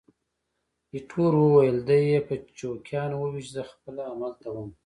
ایټور وویل: دی یې په چوکیانو وویشت، زه خپله همالته وم.